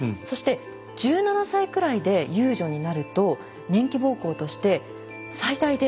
そして１７歳くらいで遊女になると年季奉公としてはあ１０年。